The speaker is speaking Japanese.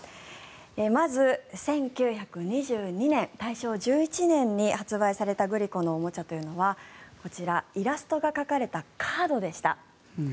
まず１９２２年、大正１１年に発売されたグリコのおもちゃというのがこちら、イラストが描かれたカードでした。